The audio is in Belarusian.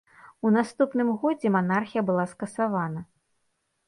У наступным годзе манархія была скасавана.